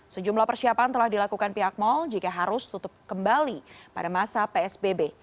sejumlah persiapan telah dilakukan pihak mal jika harus tutup kembali pada masa psbb